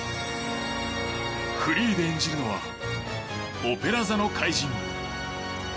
フリーで演じるのは「オペラ座の怪人」。